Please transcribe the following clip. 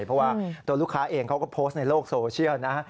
เพราะว่าตัวลูกค้าเองเขาก็โพสต์ในโลกโซเชียลนะฮะ